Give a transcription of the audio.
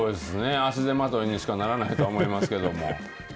足手まといにしかならないと思いますけども。